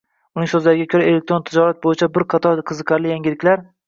Uning so'zlariga ko'ra, elektron tijorat bo'yicha bir qator qiziqarli yangiliklar.